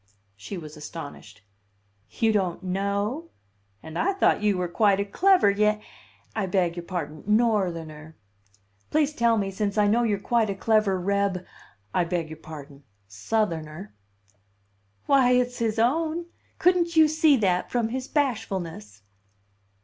She was astonished. "You don't know? And I thought you were quite a clever Ya I beg your pardon Northerner. "Please tell me, since I know you're quite a clever Reb I beg your pardon Southerner." "Why, it's his own! Couldn't you see that from his bashfulness?"